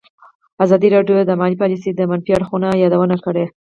ازادي راډیو د مالي پالیسي د منفي اړخونو یادونه کړې.